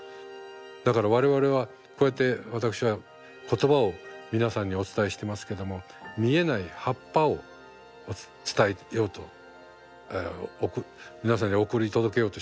だから我々はこうやって私は言葉を皆さんにお伝えしてますけども見えない葉っぱを伝えようと皆さんに送り届けようとしてるんです。